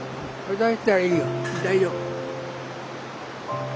大丈夫。